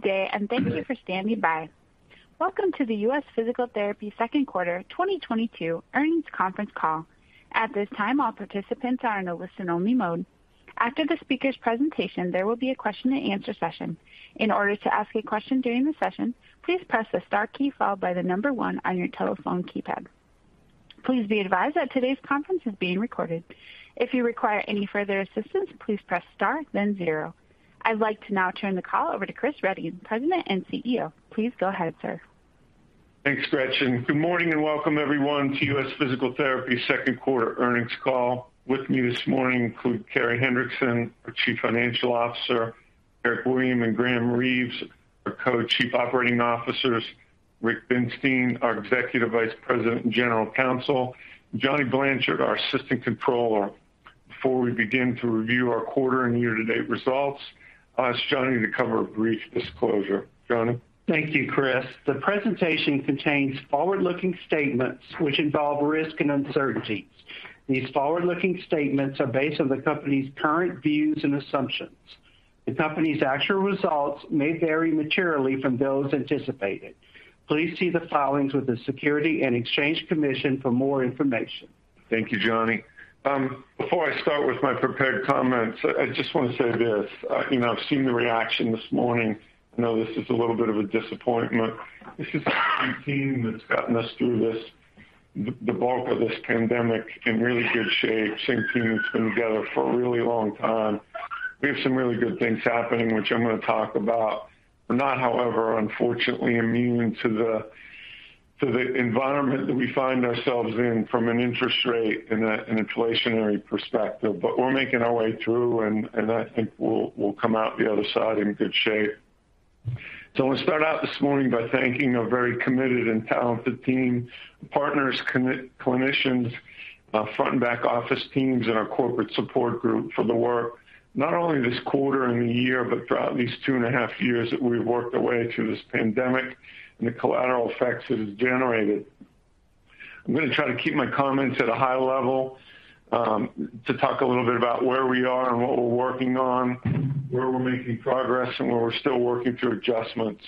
Good day, and thank you for standing by. Welcome to the U.S. Physical Therapy second quarter 2022 earnings conference call. At this time, all participants are in a listen only mode. After the speaker's presentation, there will be a question and answer session. In order to ask a question during the session, please press the star key followed by the number one on your telephone keypad. Please be advised that today's conference is being recorded. If you require any further assistance, please press star then zero. I'd like to now turn the call over to Chris Reading, President and CEO. Please go ahead, sir. Thanks, Gretchen. Good morning and welcome everyone to U.S. Physical Therapy second quarter earnings call. With me this morning include Carey Hendrickson, our Chief Financial Officer, Eric Williams and Graham Reeve, our Co-Chief Operating Officers, Rick Binstein, our Executive Vice President and General Counsel, Johnny Blanchard, our Assistant Controller. Before we begin to review our quarter and year-to-date results, I'll ask Johnny to cover a brief disclosure. Johnny? Thank you, Chris. The presentation contains forward-looking statements which involve risk and uncertainties. These forward-looking statements are based on the company's current views and assumptions. The company's actual results may vary materially from those anticipated. Please see the filings with the Securities and Exchange Commission for more information. Thank you, Johnny. Before I start with my prepared comments, I just want to say this. You know, I've seen the reaction this morning. I know this is a little bit of a disappointment. This is a team that's gotten us through this, the bulk of this pandemic in really good shape. Same team that's been together for a really long time. We have some really good things happening, which I'm gonna talk about. We're not, however, unfortunately immune to the environment that we find ourselves in from an interest rate and an inflationary perspective. We're making our way through and I think we'll come out the other side in good shape. I wanna start out this morning by thanking a very committed and talented team, partners, clinicians, front and back office teams in our corporate support group for the work, not only this quarter and the year, but throughout these two and a half years that we've worked our way through this pandemic and the collateral effects it has generated. I'm gonna try to keep my comments at a high level, to talk a little bit about where we are and what we're working on, where we're making progress and where we're still working through adjustments.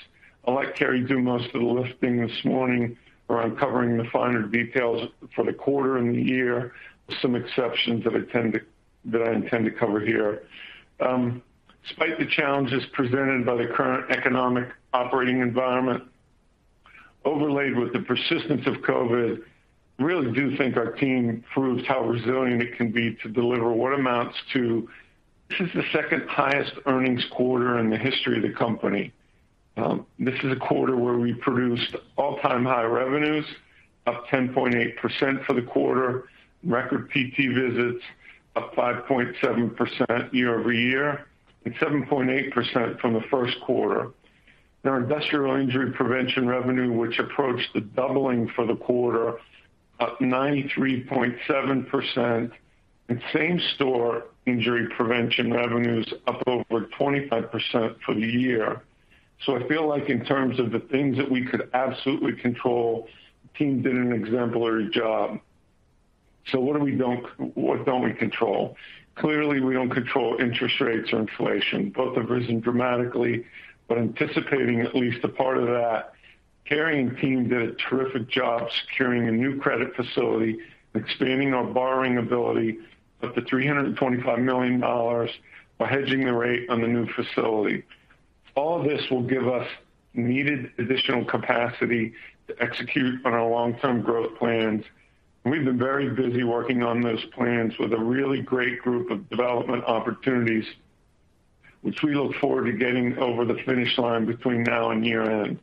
I'll let Carey do most of the lifting this morning around covering the finer details for the quarter and the year, with some exceptions that I intend to cover here. Despite the challenges presented by the current economic operating environment, overlaid with the persistence of COVID, I really do think our team proves how resilient it can be to deliver what amounts to. This is the second highest earnings quarter in the history of the company. This is a quarter where we produced all-time high revenues, up 10.8% for the quarter. Record PT visits up 5.7% year-over-year and 7.8% from the first quarter. Our industrial injury prevention revenue, which approached the doubling for the quarter, up 93.7%. Same store injury prevention revenues up over 25% for the year. I feel like in terms of the things that we could absolutely control, the team did an exemplary job. What don't we control? Clearly, we don't control interest rates or inflation. Both have risen dramatically, but anticipating at least a part of that, Carey and team did a terrific job securing a new credit facility, expanding our borrowing ability up to $325 million while hedging the rate on the new facility. All this will give us needed additional capacity to execute on our long-term growth plans. We've been very busy working on those plans with a really great group of development opportunities, which we look forward to getting over the finish line between now and year-end.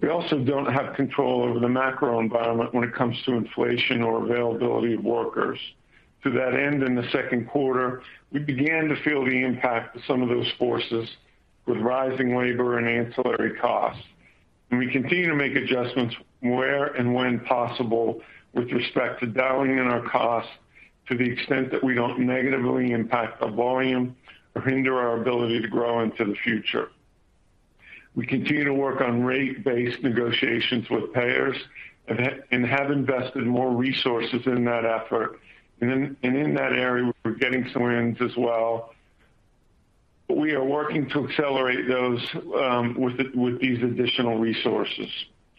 We also don't have control over the macro environment when it comes to inflation or availability of workers. To that end, in the second quarter, we began to feel the impact of some of those forces with rising labor and ancillary costs. We continue to make adjustments where and when possible with respect to dialing in our costs to the extent that we don't negatively impact the volume or hinder our ability to grow into the future. We continue to work on rate-based negotiations with payers and have invested more resources in that effort. In that area, we're getting some wins as well. We are working to accelerate those with these additional resources.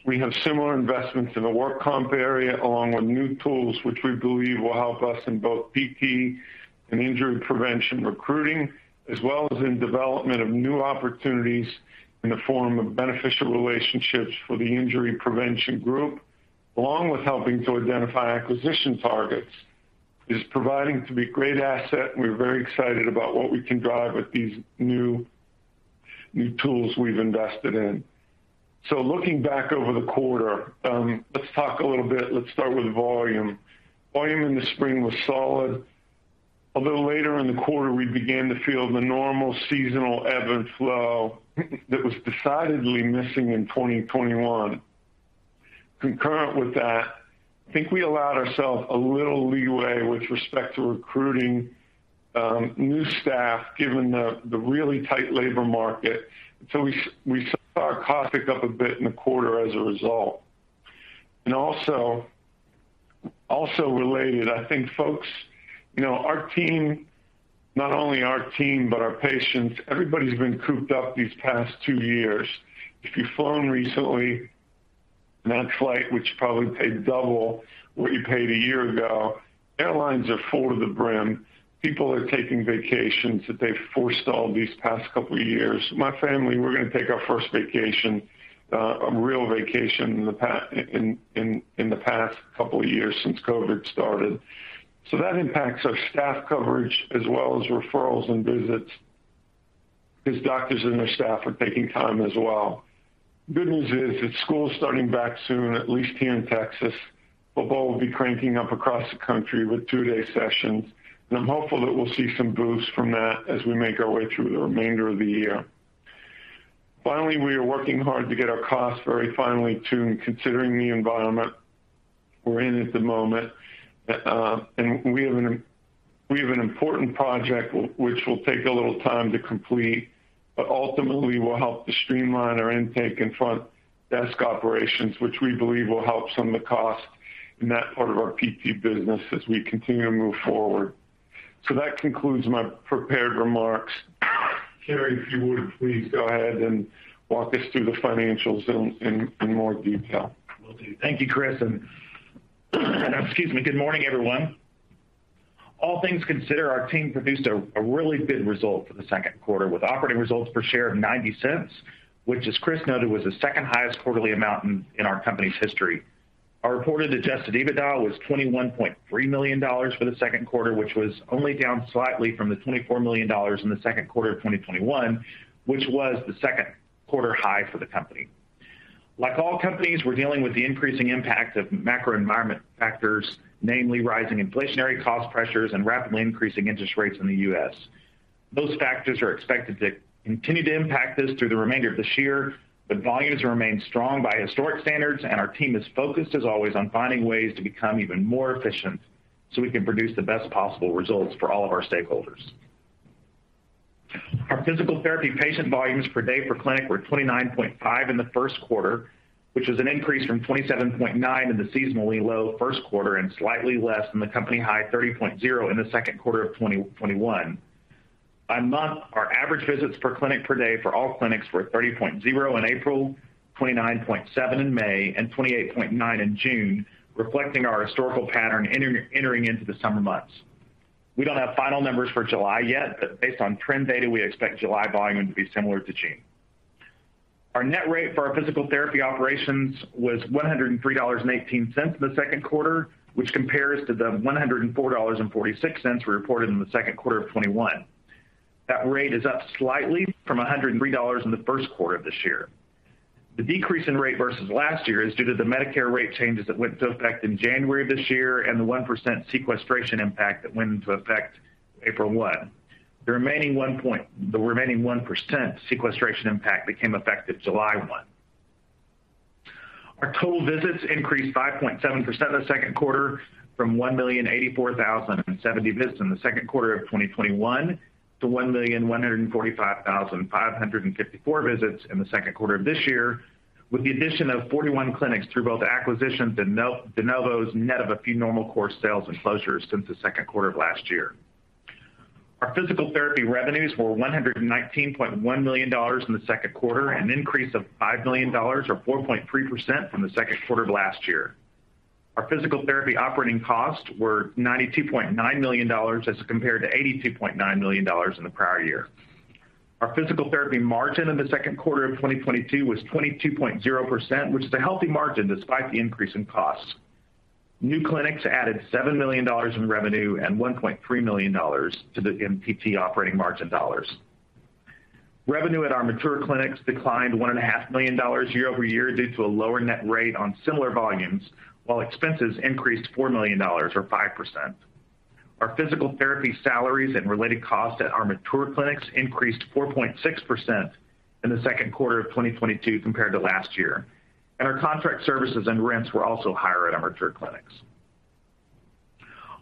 We have similar investments in the work comp area, along with new tools which we believe will help us in both PT and injury prevention recruiting, as well as in development of new opportunities in the form of beneficial relationships for the injury prevention group, along with helping to identify acquisition targets, is proving to be great asset, and we're very excited about what we can drive with these new tools we've invested in. Looking back over the quarter, let's talk a little bit, let's start with volume. Volume in the spring was solid. A little later in the quarter, we began to feel the normal seasonal ebb and flow that was decidedly missing in 2021. Concurrent with that, I think we allowed ourselves a little leeway with respect to recruiting new staff, given the really tight labor market. We saw our costs tick up a bit in the quarter as a result. Also related, I think folks, you know, our team, not only our team, but our patients, everybody's been cooped up these past two years. If you've flown recently, next flight, which probably paid double what you paid a year ago, airlines are full to the brim. People are taking vacations that they've forestalled these past couple of years. My family, we're gonna take our first vacation, a real vacation in the past couple of years since COVID started. That impacts our staff coverage as well as referrals and visits because doctors and their staff are taking time as well. Good news is that school is starting back soon, at least here in Texas. Football will be cranking up across the country with two-day sessions. I'm hopeful that we'll see some boosts from that as we make our way through the remainder of the year. Finally, we are working hard to get our costs very finely tuned, considering the environment we're in at the moment. We have an important project which will take a little time to complete, but ultimately will help to streamline our intake and front desk operations, which we believe will help some of the cost in that part of our PT business as we continue to move forward. That concludes my prepared remarks. Carey, if you would please go ahead and walk us through the financials in more detail. Will do. Thank you, Chris. Excuse me. Good morning, everyone. All things considered, our team produced a really good result for the second quarter, with operating results per share of $0.90, which, as Chris noted, was the second-highest quarterly amount in our company's history. Our reported adjusted EBITDA was $21.3 million for the second quarter, which was only down slightly from the $24 million in the second quarter of 2021, which was the second quarter high for the company. Like all companies, we're dealing with the increasing impact of macro environment factors, namely rising inflationary cost pressures and rapidly increasing interest rates in the U.S. Those factors are expected to continue to impact us through the remainder of this year, but volumes remain strong by historic standards, and our team is focused as always on finding ways to become even more efficient so we can produce the best possible results for all of our stakeholders. Our physical therapy patient volumes per day per clinic were 29.5 in the first quarter, which was an increase from 27.9 in the seasonally low first quarter and slightly less than the company-high 30.0 in the second quarter of 2021. By month, our average visits per clinic per day for all clinics were 30.0 in April, 29.7 in May, and 28.9 in June, reflecting our historical pattern entering into the summer months. We don't have final numbers for July yet, but based on trend data, we expect July volume to be similar to June. Our net rate for our physical therapy operations was $103.18 in the second quarter, which compares to the $104.46 we reported in the second quarter of 2021. That rate is up slightly from $103 in the first quarter of this year. The decrease in rate versus last year is due to the Medicare rate changes that went into effect in January of this year and the 1% sequestration impact that went into effect April 1. The remaining 1% sequestration impact became effective July 1. Our total visits increased 5.7% in the second quarter from 1,084,070 visits in the second quarter of 2021 to 1,145,554 visits in the second quarter of this year, with the addition of 41 clinics through both acquisitions and de novos, net of a few normal course sales and closures since the second quarter of last year. Our physical therapy revenues were $119.1 million in the second quarter, an increase of $5 million or 4.3% from the second quarter of last year. Our physical therapy operating costs were $92.9 million as compared to $82.9 million in the prior year. Our physical therapy margin in the second quarter of 2022 was 22.0%, which is a healthy margin despite the increase in costs. New clinics added $7 million in revenue and $1.3 million in PT operating margin dollars. Revenue at our mature clinics declined $1.5 million year-over-year due to a lower net rate on similar volumes, while expenses increased $4 million or 5%. Our physical therapy salaries and related costs at our mature clinics increased 4.6% in the second quarter of 2022 compared to last year, and our contract services and rents were also higher at our mature clinics.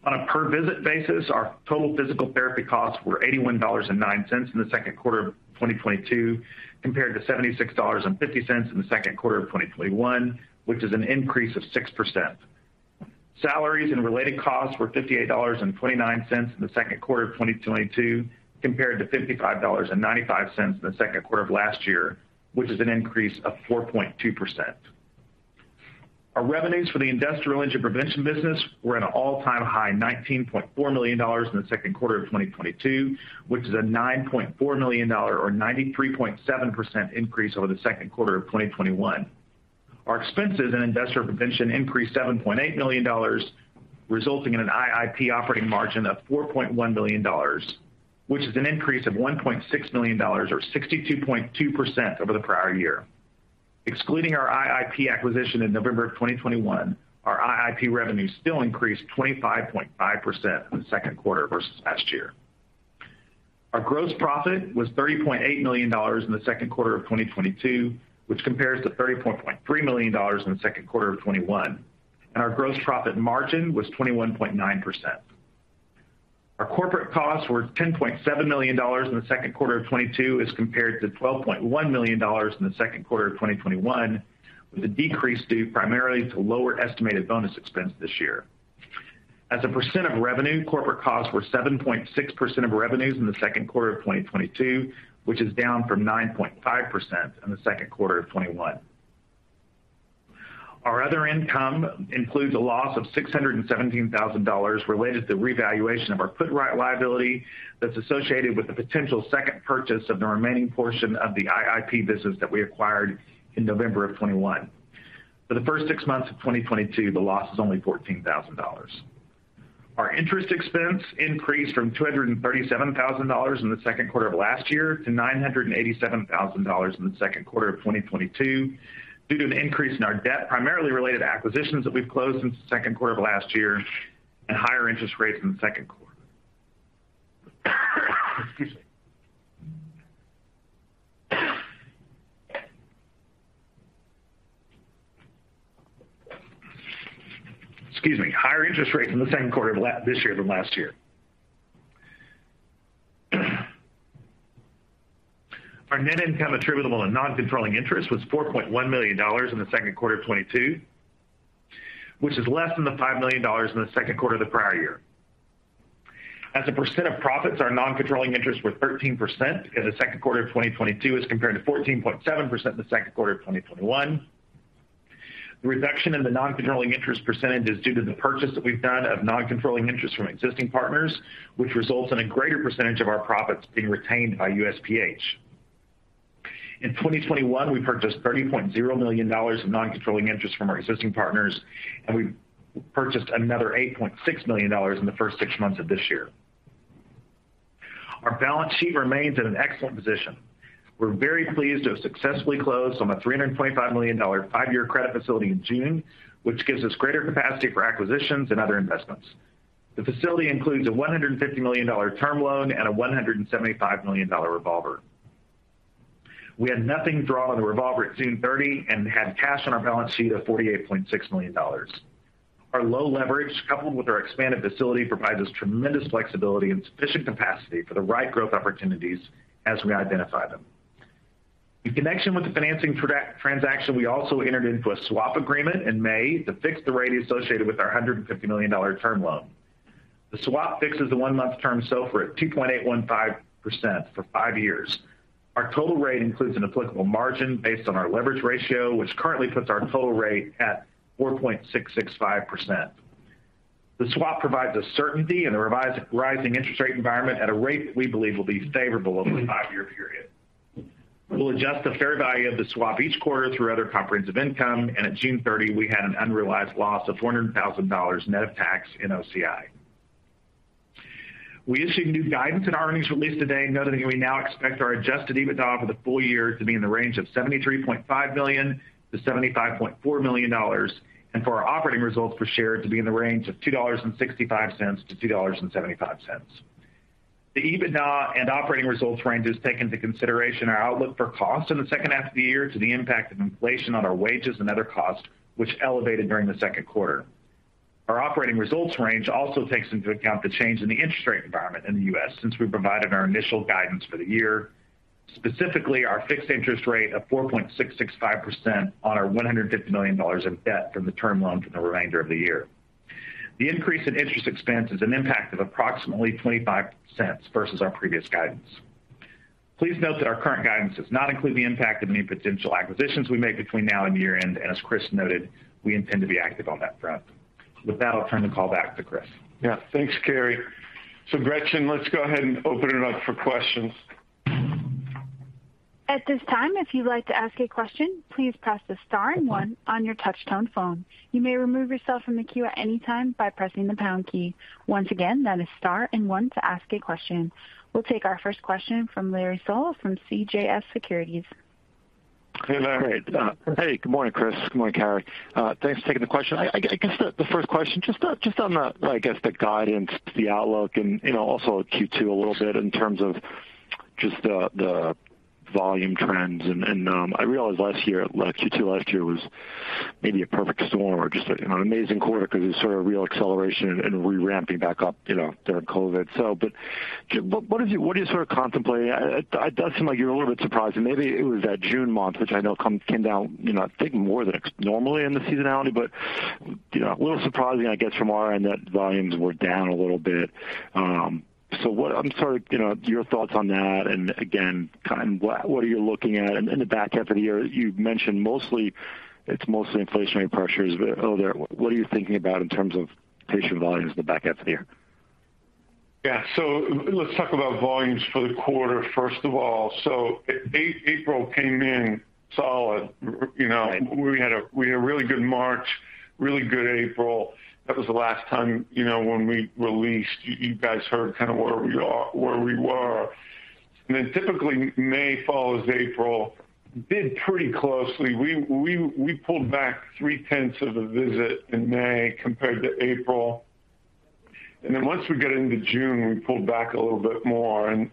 On a per visit basis, our total physical therapy costs were $81.09 in the second quarter of 2022, compared to $76.50 in the second quarter of 2021, which is an increase of 6%. Salaries and related costs were $58.29 in the second quarter of 2022, compared to $55.95 in the second quarter of last year, which is an increase of 4.2%. Our revenues for the industrial injury prevention business were at an all-time high $19.4 million in the second quarter of 2022, which is a $9.4 million or 93.7% increase over the second quarter of 2021. Our expenses in industrial injury prevention increased $7.8 million, resulting in an IIP operating margin of $4.1 million, which is an increase of $1.6 million or 62.2% over the prior year. Excluding our IIP acquisition in November of 2021, our IIP revenues still increased 25.5% in the second quarter versus last year. Our gross profit was $30.8 million in the second quarter of 2022, which compares to $30.3 million in the second quarter of 2021, and our gross profit margin was 21.9%. Our corporate costs were $10.7 million in the second quarter of 2022 as compared to $12.1 million in the second quarter of 2021, with a decrease due primarily to lower estimated bonus expense this year. As a percent of revenue, corporate costs were 7.6% of revenues in the second quarter of 2022, which is down from 9.5% in the second quarter of 2021. Our other income includes a loss of $617,000 related to revaluation of our put-right liability that's associated with the potential second purchase of the remaining portion of the IIP business that we acquired in November 2021. For the first six months of 2022, the loss is only $14,000. Our interest expense increased from $237 thousand in the second quarter of last year to $987 thousand in the second quarter of 2022 due to an increase in our debt, primarily related to acquisitions that we've closed since the second quarter of last year and higher interest rates in the second quarter of this year than last year. Our net income attributable to non-controlling interest was $4.1 million in the second quarter of 2022, which is less than $5 million in the second quarter of the prior year. As a percent of profits, our non-controlling interests were 13% in the second quarter of 2022 as compared to 14.7% in the second quarter of 2021. The reduction in the non-controlling interest percentage is due to the purchase that we've done of non-controlling interest from existing partners, which results in a greater percentage of our profits being retained by USPH. In 2021, we purchased $30.0 million of non-controlling interest from our existing partners, and we purchased another $8.6 million in the first six months of this year. Our balance sheet remains in an excellent position. We're very pleased to have successfully closed on a $325 million five-year credit facility in June, which gives us greater capacity for acquisitions and other investments. The facility includes a $150 million term loan and a $175 million revolver. We had nothing drawn on the revolver at June 30 and had cash on our balance sheet of $48.6 million. Our low leverage, coupled with our expanded facility, provides us tremendous flexibility and sufficient capacity for the right growth opportunities as we identify them. In connection with the financing transaction, we also entered into a swap agreement in May to fix the rate associated with our $150 million term loan. The swap fixes the one-month term SOFR at 2.815% for five years. Our total rate includes an applicable margin based on our leverage ratio, which currently puts our total rate at 4.665%. The swap provides a certainty in the rising interest rate environment at a rate that we believe will be favorable over the five-year period. We'll adjust the fair value of the swap each quarter through other comprehensive income, and at June 30, we had an unrealized loss of $400,000 net of tax in OCI. We issued new guidance in our earnings release today noting that we now expect our adjusted EBITDA for the full year to be in the range of $73.5 million-$75.4 million and for our operating results per share to be in the range of $2.65-$2.75. The EBITDA and operating results range has taken into consideration our outlook for costs in the second half of the year and the impact of inflation on our wages and other costs which elevated during the second quarter. Our operating results range also takes into account the change in the interest rate environment in the U.S. since we provided our initial guidance for the year, specifically our fixed interest rate of 4.665% on our $150 million of debt from the term loan for the remainder of the year. The increase in interest expense is an impact of approximately $0.25 versus our previous guidance. Please note that our current guidance does not include the impact of any potential acquisitions we make between now and year-end, and as Chris noted, we intend to be active on that front. With that, I'll turn the call back to Chris. Yeah. Thanks, Carey. Gretchen, let's go ahead and open it up for questions. At this time, if you'd like to ask a question, please press the star and one on your touch-tone phone. You may remove yourself from the queue at any time by pressing the pound key. Once again, that is star and one to ask a question. We'll take our first question from Larry Solow from CJS Securities. Hey, Larry. Hey, good morning, Chris. Good morning, Carey. Thanks for taking the question. I guess the first question, just on the guidance, the outlook and, you know, also Q2 a little bit in terms of just the volume trends. I realize last year, like Q2 last year was maybe a perfect storm or just a, you know, an amazing quarter 'cause it was sort of real acceleration and re-ramping back up, you know, during COVID. What is, what are you sort of contemplating? It does seem like you're a little bit surprised and maybe it was that June month which I know came down, you know, I think more than normally in the seasonality. You know, a little surprising I guess from our end that volumes were down a little bit. What I'm sort of, you know, your thoughts on that and again, what are you looking at in the back half of the year? You've mentioned mostly it's mostly inflationary pressures. But, what are you thinking about in terms of patient volumes in the back half of the year? Yeah. Let's talk about volumes for the quarter, first of all. April came in solid. Right, you know- Right. We had a really good March, really good April. That was the last time, you know, when we released. You guys heard kind of where we were. Then typically, May follows April pretty closely. We pulled back 0.3 of a visit in May compared to April. Then once we got into June, we pulled back a little bit more, and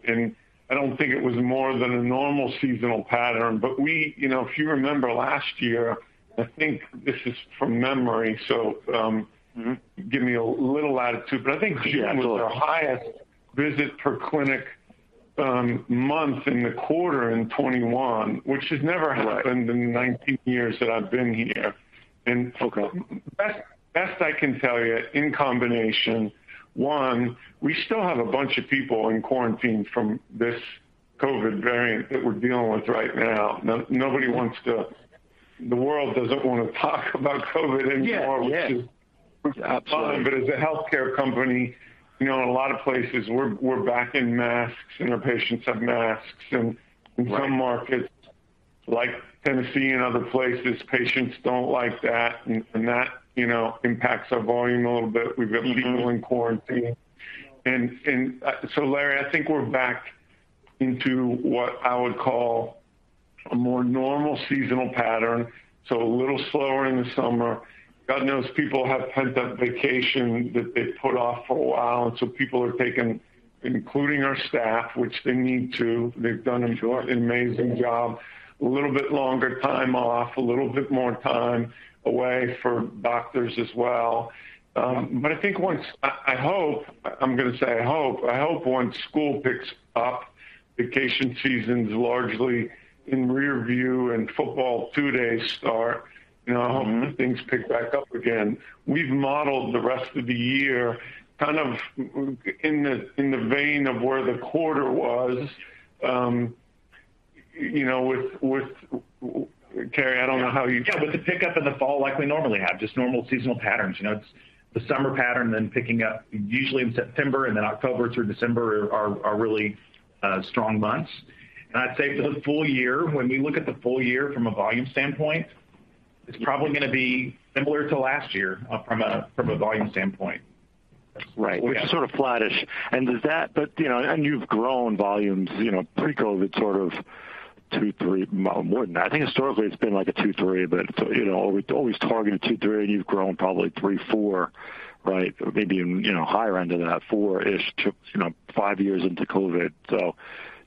I don't think it was more than a normal seasonal pattern. You know, if you remember last year, I think this is from memory, so Mm-hmm. Give me a little latitude. I think June- Absolutely ...was our highest visit per clinic, month in the quarter in 2021, which has never happened in the 19 years that I've been here. Okay. Best I can tell you in combination, one, we still have a bunch of people in quarantine from this COVID variant that we're dealing with right now. The world doesn't wanna talk about COVID anymore, which is. Yes. Yes. Absolutely. As a healthcare company, you know, in a lot of places we're back in masks, and our patients have masks. Right. In some markets like Tennessee and other places, patients don't like that, and that, you know, impacts our volume a little bit. Mm-hmm. We've got people in quarantine. Larry, I think we're back into what I would call a more normal seasonal pattern, so a little slower in the summer. God knows people have pent-up vacation that they've put off for a while, and so people are taking, including our staff, which they need to. They've done an amazing job. A little bit longer time off, a little bit more time away for doctors as well. I hope once school picks up, vacation season's largely in rearview and football two-a-days start, you know. Mm-hmm. I hope things pick back up again. We've modeled the rest of the year kind of in the vein of where the quarter was, you know, with Carey, I don't know how you- Yeah, with the pickup in the fall like we normally have, just normal seasonal patterns. You know, it's the summer pattern, then picking up usually in September and then October through December are really strong months. I'd say for the full year, when we look at the full year from a volume standpoint, it's probably gonna be similar to last year from a volume standpoint. Right. Which is sort of flattish. Does that, but you know, and you've grown volumes, you know, pre-COVID sort of 2%-3%, more than that. I think historically it's been like a 2%-3%, but you know, always targeted 2%-3%, and you've grown probably 3%-4%, right? Maybe even, you know, higher end of that, 4-ish% to, you know, 5 years into COVID.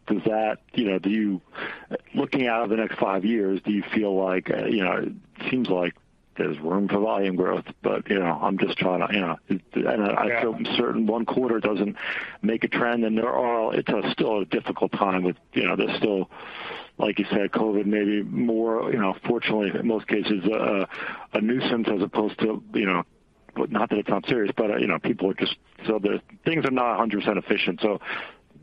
Does that. You know, do you. Looking out over the next 5 years, do you feel like, you know, it seems like there's room for volume growth, but you know, I'm just trying to, you know. Yeah. I feel certain one quarter doesn't make a trend, and there are. It's still a difficult time with, you know, there's still, like you said, COVID maybe more, you know, fortunately in most cases a nuisance as opposed to, you know, not that it's not serious, but, you know, people are just. The things are not 100% efficient.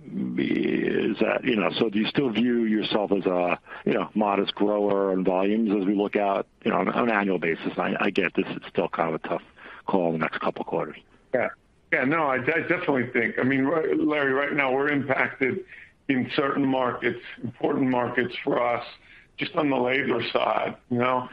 Is that, you know. Do you still view yourself as a, you know, modest grower in volumes as we look out, you know, on an annual basis? I get this is still kind of a tough call the next couple quarters. Yeah. Yeah, no, I definitely think. I mean, Larry, right now we're impacted in certain markets, important markets for us, just on the labor side, you know.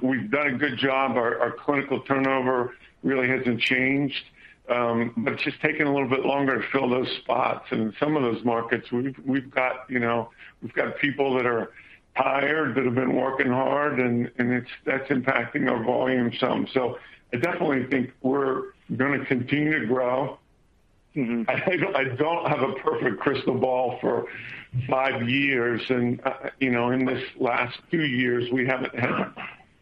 We've done a good job. Our clinical turnover really hasn't changed, but it's just taken a little bit longer to fill those spots. In some of those markets we've got people that are tired, that have been working hard and that's impacting our volume some. I definitely think we're gonna continue to grow. Mm-hmm. I don't have a perfect crystal ball for five years and, you know, in this last two years we haven't had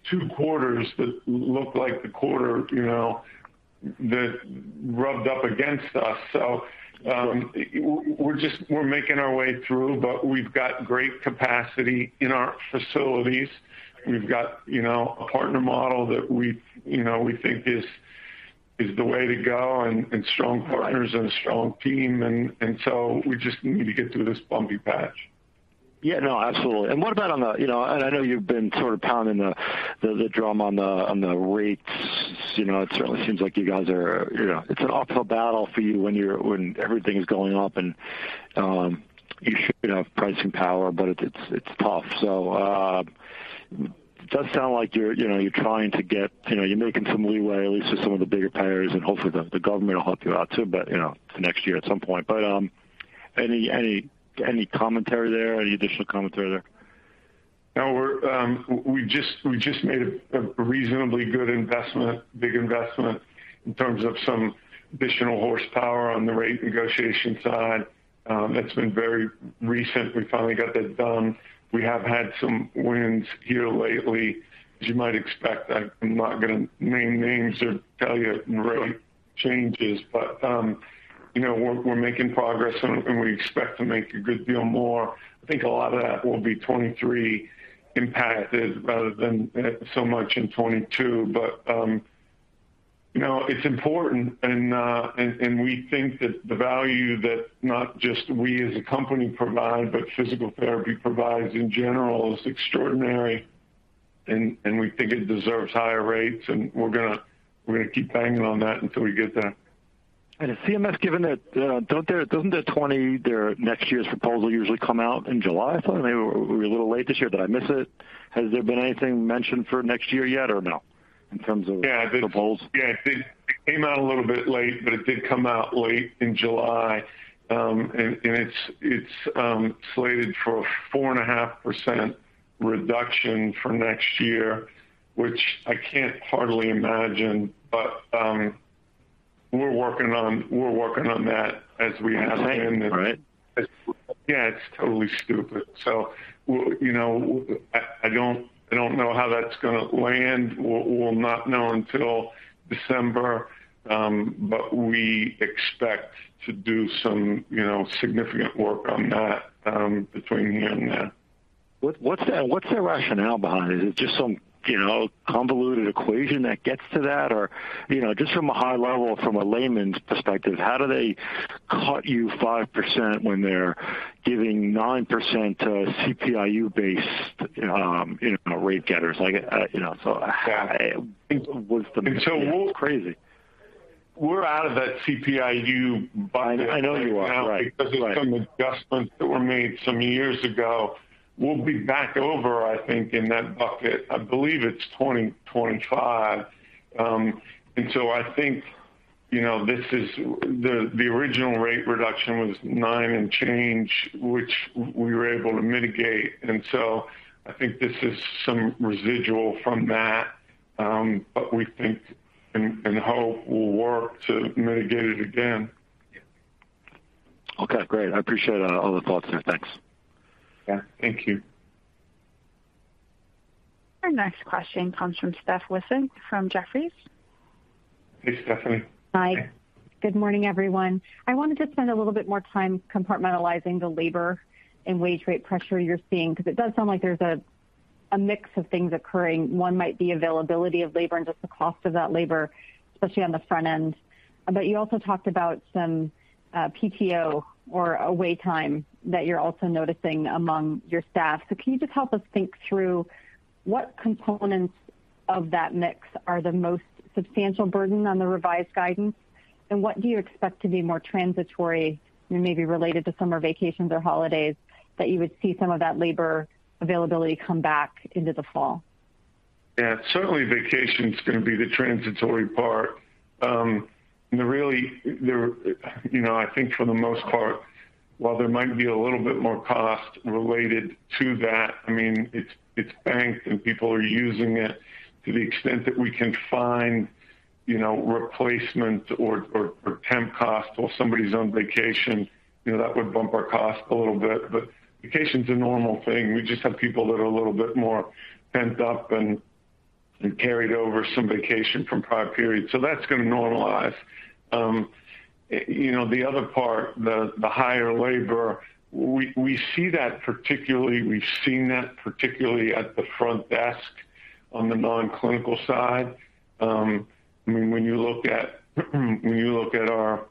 two quarters that look like the quarter, you know, that rubbed up against us. We're just making our way through, but we've got great capacity in our facilities. We've got, you know, a partner model that we, you know, we think is the way to go and strong partners and a strong team and so we just need to get through this bumpy patch. Yeah, no, absolutely. What about on the, you know, and I know you've been sort of pounding the drum on the rates. You know, it certainly seems like you guys are, you know, it's an uphill battle for you when everything's going up and you should have pricing power, but it's tough. It does sound like you're, you know, you're trying to get, you know, you're making some leeway at least with some of the bigger payers, and hopefully the government will help you out too, but, you know, next year at some point. Any commentary there? Any additional commentary there? No, we just made a reasonably good investment, big investment in terms of some additional horsepower on the rate negotiation side. That's been very recent. We finally got that done. We have had some wins here lately, as you might expect. I'm not gonna name names or tell you real changes, but you know, we're making progress and we expect to make a good deal more. I think a lot of that will be 2023 impacted rather than so much in 2022. It's important and we think that the value that not just we as a company provide, but physical therapy provides in general is extraordinary and we think it deserves higher rates, and we're gonna keep banging on that until we get that. Has CMS given a? Don't they, doesn't the 2025 their next year's proposal usually come out in July? Maybe we're a little late this year. Did I miss it? Has there been anything mentioned for next year yet or no? Yeah. Proposals? Yeah. It did, it came out a little bit late, but it did come out late in July. And it's slated for a 4.5% reduction for next year, which I can't hardly imagine. We're working on that as we have been. Right. Yeah, it's totally stupid. You know, I don't know how that's gonna land. We'll not know until December. We expect to do some, you know, significant work on that, between here and there. What's the rationale behind it? Is it just some, you know, convoluted equation that gets to that? Or, you know, just from a high level, from a layman's perspective, how do they cut you 5% when they're giving 9% to CPI-U-based, you know, rate getters? Yeah. It's crazy. We're out of that CPI-U bucket- I know you are. Right. Because of some adjustments that were made some years ago. We'll be back over, I think, in that bucket. I believe it's 2025. I think, you know, this is the original rate reduction was 9 and change, which we were able to mitigate. I think this is some residual from that, but we think and hope will work to mitigate it again. Okay, great. I appreciate all the thoughts there. Thanks. Yeah. Thank you. Our next question comes from Stephanie Wissink from Jefferies. Hey, Stephanie. Hi. Good morning, everyone. I wanted to spend a little bit more time compartmentalizing the labor and wage rate pressure you're seeing, because it does sound like there's a mix of things occurring. One might be availability of labor and just the cost of that labor, especially on the front end. But you also talked about some PTO or away time that you're also noticing among your staff. Can you just help us think through what components of that mix are the most substantial burden on the revised guidance? And what do you expect to be more transitory and maybe related to summer vacations or holidays that you would see some of that labor availability come back into the fall? Yeah. Certainly, vacation's gonna be the transitory part. You know, I think for the most part, while there might be a little bit more cost related to that, I mean, it's banked, and people are using it. To the extent that we can find, you know, replacement or temp cost while somebody's on vacation, you know, that would bump our cost a little bit. Vacation's a normal thing. We just have people that are a little bit more pent up and carried over some vacation from prior periods. That's gonna normalize. You know, the other part, the higher labor, we see that particularly. We've seen that particularly at the front desk on the non-clinical side. I mean, when you look at our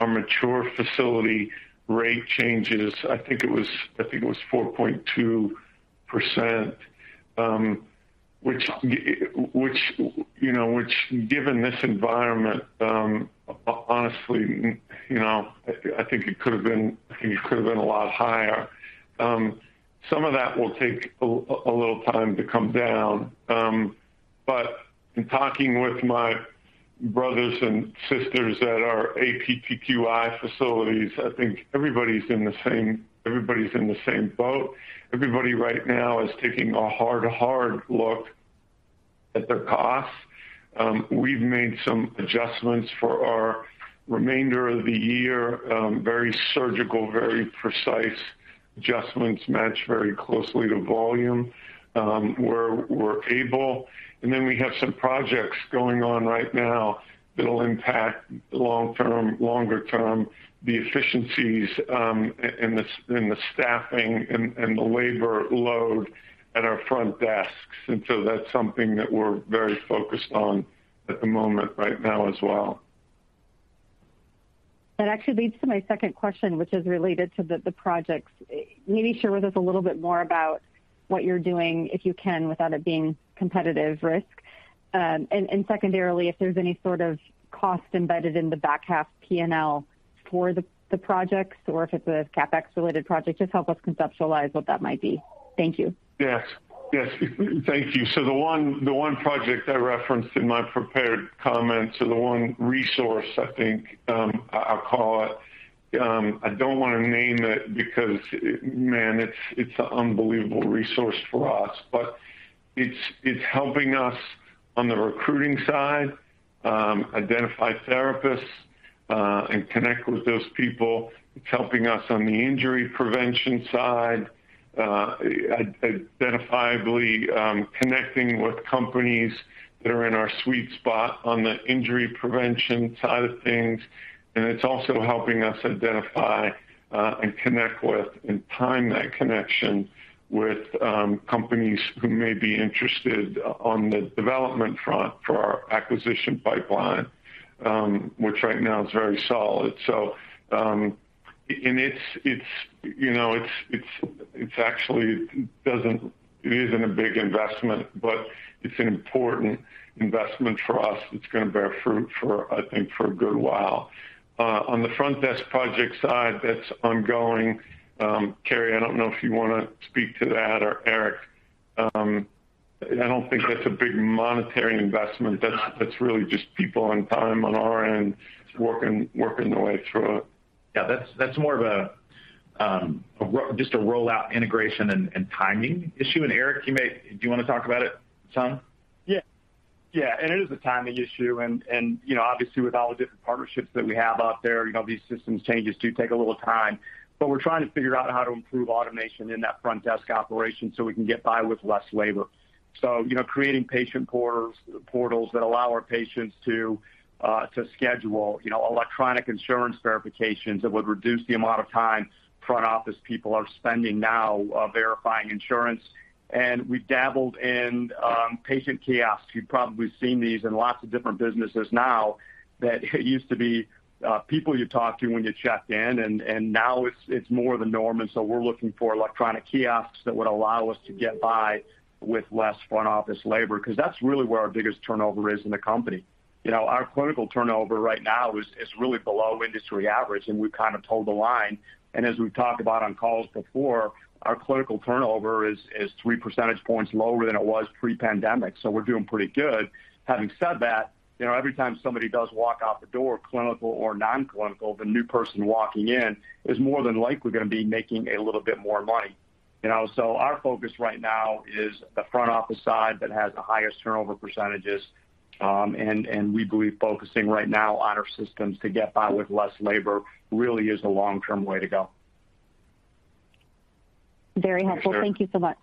mature facility rate changes, I think it was 4.2%, which you know given this environment, honestly, you know, I think it could have been a lot higher. Some of that will take a little time to come down. In talking with my brothers and sisters at our APTQI facilities, I think everybody's in the same boat. Everybody right now is taking a hard look at their costs. We've made some adjustments for our remainder of the year, very surgical, very precise adjustments matched very closely to volume, where we're able. We have some projects going on right now that'll impact long-term, longer term, the efficiencies in the staffing and the labor load at our front desks. That's something that we're very focused on at the moment right now as well. That actually leads to my second question, which is related to the projects. Can you share with us a little bit more about what you're doing, if you can, without it being competitive risk? And secondarily, if there's any sort of cost embedded in the back half P&L for the projects or if it's a CapEx related project? Just help us conceptualize what that might be. Thank you. Yes. Thank you. The one project I referenced in my prepared comments, or the one resource, I think, I'll call it. I don't wanna name it because, man, it's an unbelievable resource for us. It's helping us on the recruiting side identify therapists and connect with those people. It's helping us on the injury prevention side, identifying, connecting with companies that are in our sweet spot on the injury prevention side of things. It's also helping us identify and connect with and time that connection with companies who may be interested on the development front for our acquisition pipeline, which right now is very solid. It's, you know, actually it isn't a big investment, but it's an important investment for us. It's gonna bear fruit for, I think, for a good while. On the front desk project side, that's ongoing. Carey, I don't know if you wanna speak to that or Eric. I don't think that's a big monetary investment. It's not. That's really just people and time on our end working the way through it. Yeah. That's more of a just a rollout integration and timing issue. Eric, you may. Do you wanna talk about it some? Yeah. It is a timing issue. You know, obviously with all the different partnerships that we have out there, you know, these systems changes do take a little time. We're trying to figure out how to improve automation in that front desk operation so we can get by with less labor. You know, creating patient portals that allow our patients to to schedule, you know, electronic insurance verifications that would reduce the amount of time front office people are spending now verifying insurance. We dabbled in patient kiosks. You've probably seen these in lots of different businesses now that it used to be people you talk to when you checked in, and now it's more the norm. We're looking for electronic kiosks that would allow us to get by with less front office labor, 'cause that's really where our biggest turnover is in the company. You know, our clinical turnover right now is really below industry average, and we've kinda toed the line. As we've talked about on calls before, our clinical turnover is three percentage points lower than it was pre-pandemic, so we're doing pretty good. Having said that, you know, every time somebody does walk out the door, clinical or non-clinical, the new person walking in is more than likely gonna be making a little bit more money. You know? Our focus right now is the front office side that has the highest turnover percentages, and we believe focusing right now on our systems to get by with less labor really is the long-term way to go. Very helpful. Yes, sir. Thank you so much.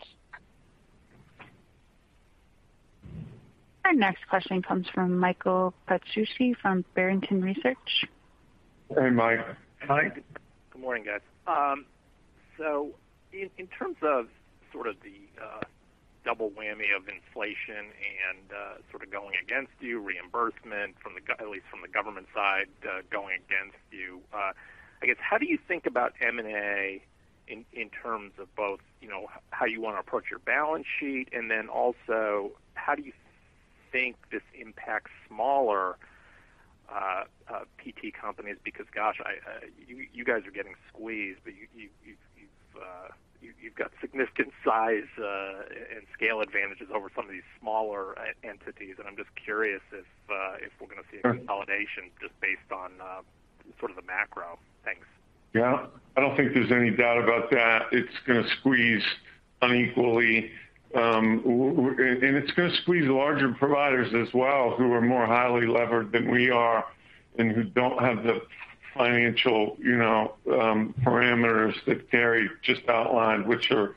Our next question comes from Michael Petusky from Barrington Research. Hey, Mike. Mike? Good morning, guys. In terms of sort of the double whammy of inflation and sort of going against you, reimbursement from at least the government side, going against you, I guess how do you think about M&A in terms of both, you know, how you wanna approach your balance sheet? Then also how do you think this impacts smaller PT companies? Because, gosh, you guys are getting squeezed, but you've got significant size and scale advantages over some of these smaller entities. I'm just curious if we're gonna see- Sure a consolidation just based on, sort of the macro. Thanks. Yeah. I don't think there's any doubt about that. It's gonna squeeze unequally. It's gonna squeeze larger providers as well, who are more highly levered than we are and who don't have the financial, you know, parameters that Carey just outlined, which are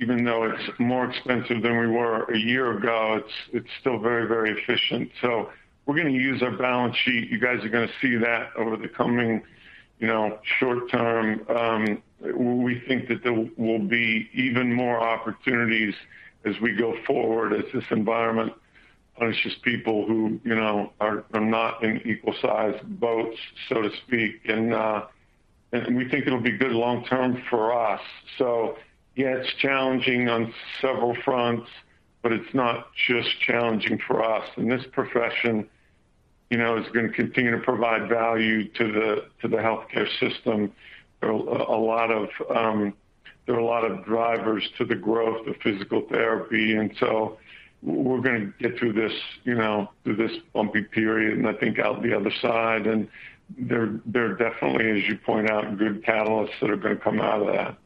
even though it's more expensive than we were a year ago, it's still very, very efficient. We're gonna use our balance sheet. You guys are gonna see that over the coming, you know, short term. We think that there will be even more opportunities as we go forward as this environment punishes people who, you know, are not in equal-sized boats, so to speak. And we think it'll be good long term for us. Yeah, it's challenging on several fronts, but it's not just challenging for us. This profession, you know, is gonna continue to provide value to the healthcare system. There are a lot of drivers to the growth of physical therapy, and so we're gonna get through this, you know, through this bumpy period, and I think out the other side. There are definitely, as you point out, good catalysts that are gonna come out of that.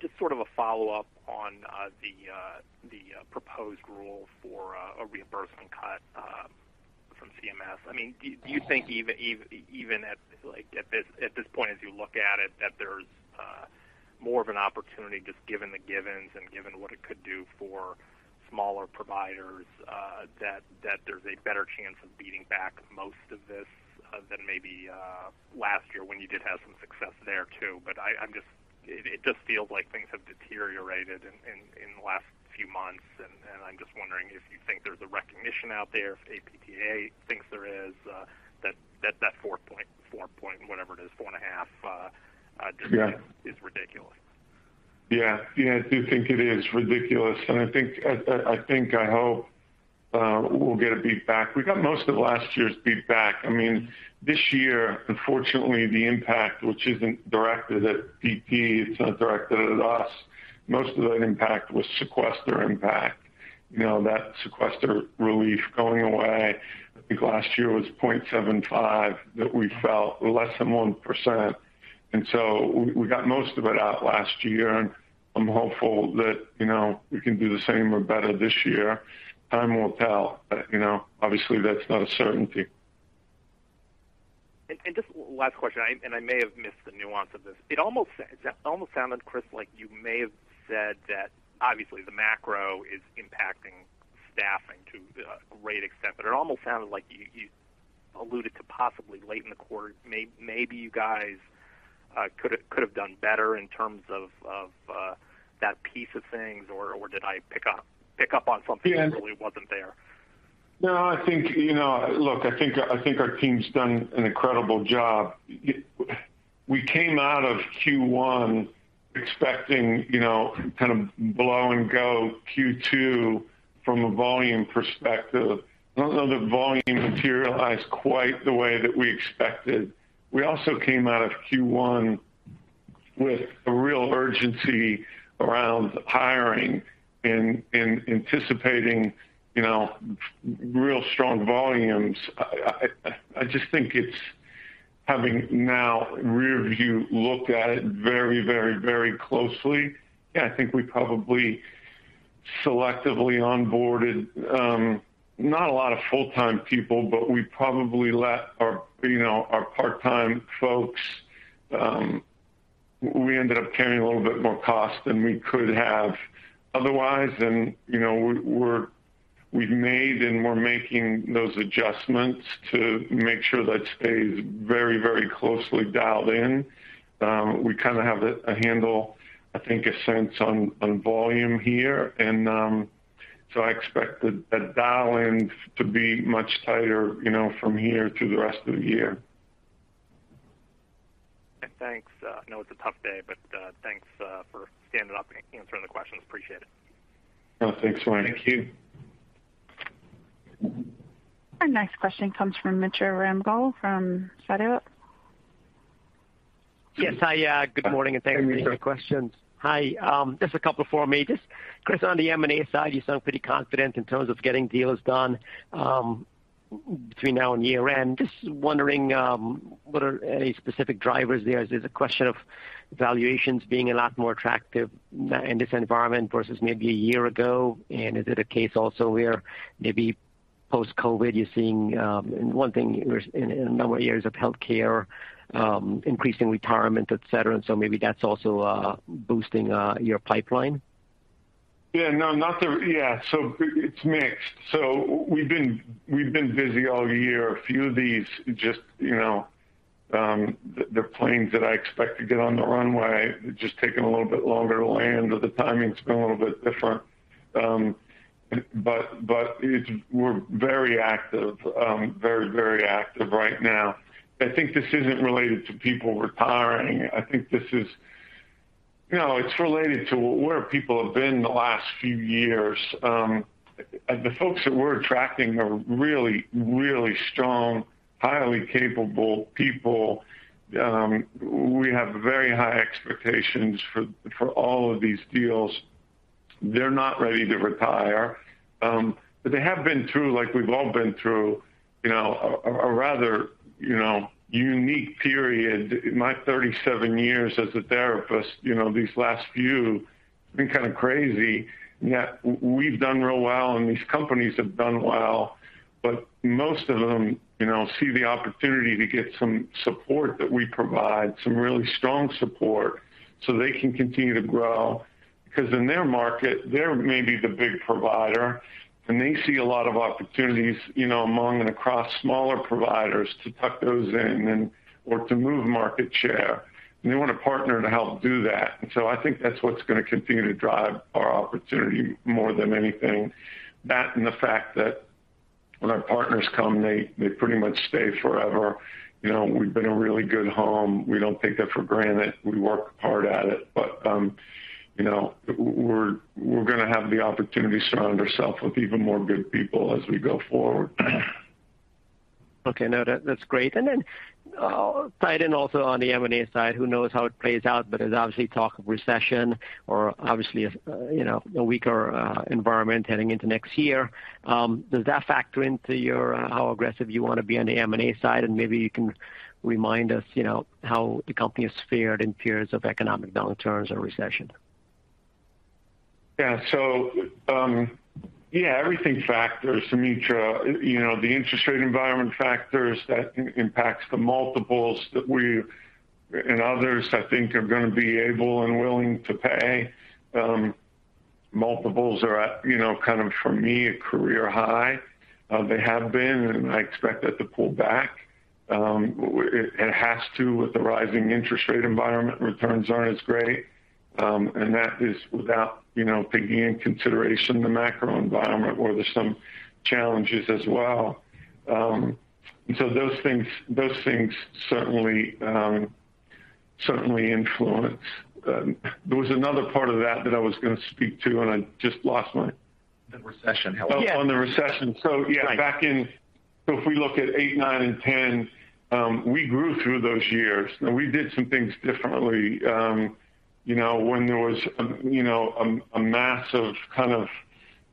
Just sort of a follow-up on the proposed rule for a reimbursement cut from CMS. I mean, do you think even at like this point, as you look at it, that there's more of an opportunity just given the givens and given what it could do for smaller providers, that there's a better chance of beating back most of this than maybe last year when you did have some success there too? I'm just it just feels like things have deteriorated in the last few months, and I'm just wondering if you think there's a recognition out there, if APTA thinks there is, that 4-point whatever it is, 4.5%. Yeah Decrease is ridiculous. Yeah. Yeah, I do think it is ridiculous, and I think I hope we'll get a beat back. We got most of last year's beat back. I mean, this year, unfortunately, the impact, which isn't directed at PT, it's not directed at us, most of that impact was sequester impact. You know, that sequester relief going away, I think last year was 0.75% that we felt less than 1%. We got most of it out last year, and I'm hopeful that, you know, we can do the same or better this year. Time will tell. You know, obviously that's not a certainty. Just last question, and I may have missed the nuance of this. It almost sounded, Chris, like you may have said that obviously the macro is impacting staffing to a great extent, but it almost sounded like you alluded to possibly late in the quarter, maybe you guys could have done better in terms of that piece of things, or did I pick up on something? Yeah that really wasn't there? No, I think, you know. Look, I think our team's done an incredible job. We came out of Q1 expecting, you know, kind of low and go Q2 from a volume perspective. I don't know, the volume materialized quite the way that we expected. We also came out of Q1 with a real urgency around hiring and anticipating, you know, real strong volumes. I just think, having now a rearview look at it very closely. Yeah, I think we probably selectively onboarded, not a lot of full-time people, but we probably had our, you know, our part-time folks, we ended up carrying a little bit more cost than we could have otherwise. You know, we've made and we're making those adjustments to make sure that stays very closely dialed in. We kinda have a handle, I think, a sense on volume here. I expect that dialing to be much tighter, you know, from here through the rest of the year. Thanks. I know it's a tough day, but, thanks, for standing up and answering the questions. Appreciate it. Oh, thanks, Michael Petusky. Thank you. Our next question comes from Mitra Ramgopal from Sidoti & Company. Yes. Hi, good morning, and thank you for taking my questions. Hey, Mitra. Hi, just a couple for me. Just, Chris, on the M&A side, you sound pretty confident in terms of getting deals done, between now and year-end. Just wondering, what are any specific drivers there? Is this a question of valuations being a lot more attractive in this environment versus maybe a year ago? Is it a case also where maybe post-COVID, you're seeing one thing where in a number of years of healthcare, increasing retirement, et cetera, and so maybe that's also boosting your pipeline? It's mixed. We've been busy all year. A few of these just, you know, the planes that I expect to get on the runway, they're just taking a little bit longer to land, or the timing's been a little bit different. It's, we're very active right now. I think this isn't related to people retiring. I think this is. You know, it's related to where people have been the last few years. The folks that we're attracting are really strong, highly capable people. We have very high expectations for all of these deals. They're not ready to retire, but they have been through, like we've all been through, you know, a rather unique period. In my 37 years as a therapist, you know, these last few have been kinda crazy, and yet we've done real well, and these companies have done well. Most of them, you know, see the opportunity to get some support that we provide, some really strong support, so they can continue to grow. 'Cause in their market, they're maybe the big provider, and they see a lot of opportunities, you know, among and across smaller providers to tuck those in or to move market share, and they want a partner to help do that. I think that's what's gonna continue to drive our opportunity more than anything. That and the fact that when our partners come, they pretty much stay forever. You know, we've been a really good home. We don't take that for granted. We work hard at it. You know, we're gonna have the opportunity to surround ourself with even more good people as we go forward. Okay. No, that's great. Then, tied in also on the M&A side, who knows how it plays out, but there's obviously talk of recession or obviously a, you know, a weaker, environment heading into next year. Does that factor into your, how aggressive you wanna be on the M&A side? Maybe you can remind us, you know, how the company has fared in periods of economic downturns or recession. Everything factors, Mitra. You know, the interest rate environment factors. That impacts the multiples that we and others I think are gonna be able and willing to pay. Multiples are at, you know, kind of for me a career high. They have been and I expect that to pull back. It has to do with the rising interest rate environment. Returns aren't as great. That is without, you know, taking into consideration the macro environment where there's some challenges as well. Those things certainly influence. There was another part of that that I was gonna speak to, and I just lost my- The recession helped. Yes. Oh, on the recession. Right. Yeah, back in. If we look at 2008, 2009, and 2010, we grew through those years, and we did some things differently. You know, when there was a you know a massive kind of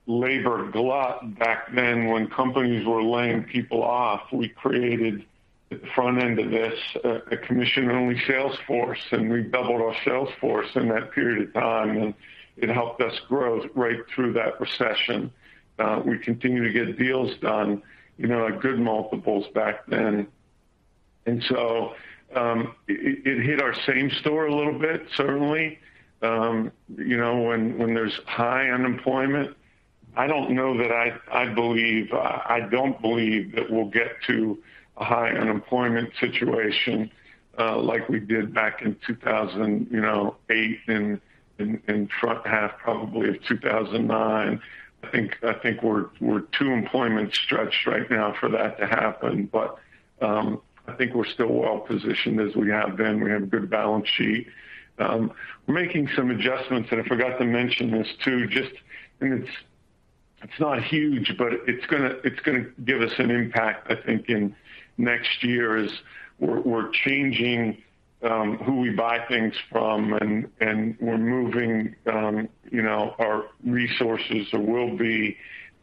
labor glut back then when companies were laying people off, we created at the front end of this a commission-only sales force, and we doubled our sales force in that period of time, and it helped us grow right through that recession. We continued to get deals done, you know, at good multiples back then. It hit our same store a little bit certainly. You know, when there's high unemployment, I don't know that I believe. I don't believe that we'll get to a high unemployment situation, like we did back in 2000, you know, 8 and front half probably of 2009. I think we're too employment stretched right now for that to happen. I think we're still well positioned as we have been. We have a good balance sheet. We're making some adjustments, and I forgot to mention this too, just. It's not huge, but it's gonna give us an impact I think in next year as we're changing who we buy things from and we're moving you know, our resources or will be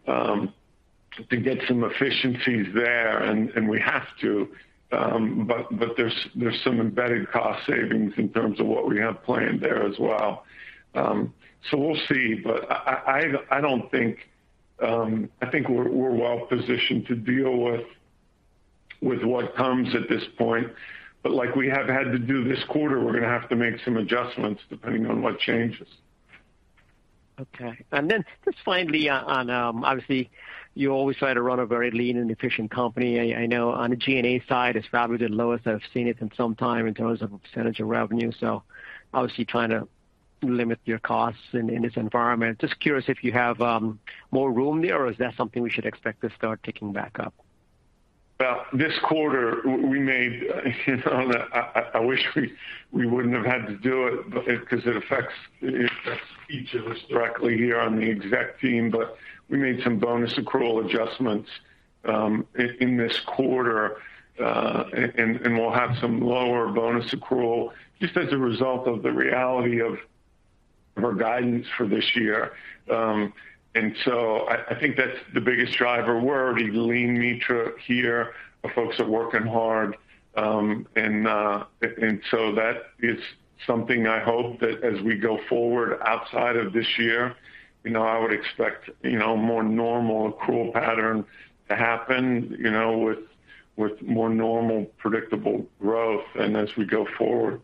to get some efficiencies there and we have to. There's some embedded cost savings in terms of what we have planned there as well. We'll see. I think we're well positioned to deal with what comes at this point. Like we have had to do this quarter, we're gonna have to make some adjustments depending on what changes. Okay. Just finally on, obviously you always try to run a very lean and efficient company. I know on the G&A side, it's probably the lowest I've seen it in some time in terms of percentage of revenue, so obviously trying to limit your costs in this environment. Just curious if you have more room there or is that something we should expect to start ticking back up? Well, this quarter we made, you know, and I wish we wouldn't have had to do it but because it affects each of us directly here on the exec team, but we made some bonus accrual adjustments in this quarter. We'll have some lower bonus accrual just as a result of the reality of our guidance for this year. I think that's the biggest driver. We're already lean, Mitra, here. The folks are working hard. That is something I hope that as we go forward outside of this year, you know, I would expect, you know, more normal accrual pattern to happen, you know, with more normal predictable growth and as we go forward.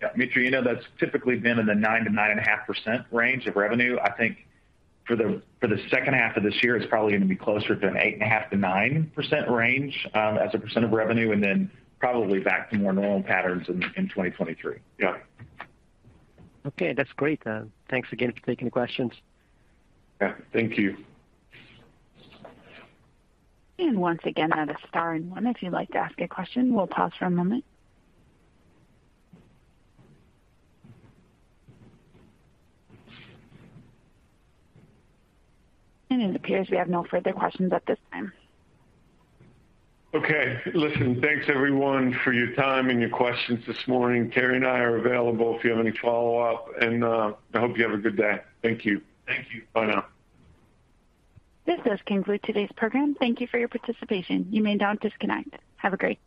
Yeah. Mitra, you know, that's typically been in the 9-9.5% range of revenue. I think for the second half of this year, it's probably gonna be closer to an 8.5-9% range as a percent of revenue, and then probably back to more normal patterns in 2023. Yeah. Okay, that's great. Thanks again for taking the questions. Yeah. Thank you. Once again, press star one if you'd like to ask a question. We'll pause for a moment. It appears we have no further questions at this time. Okay. Listen, thanks everyone for your time and your questions this morning. Carey and I are available if you have any follow-up, and I hope you have a good day. Thank you. Thank you. Bye now. This does conclude today's program. Thank you for your participation. You may now disconnect. Have a great day.